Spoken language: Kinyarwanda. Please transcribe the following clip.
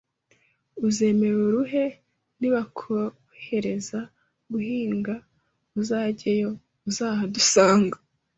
uzemere uruhe Nibakohereza guhinga, uzajyeyo uzahadusanga